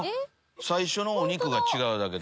最初のお肉が違うだけで。